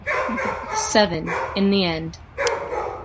Seven, in the end.